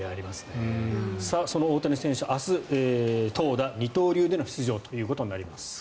その大谷選手は明日、投打二刀流での出場となります。